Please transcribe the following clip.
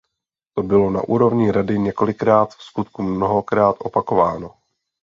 To bylo na úrovni Rady několikrát, vskutku mnohokrát, opakováno.